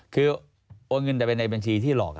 คือโอนเงินแต่ไปในบัญชีที่หลอก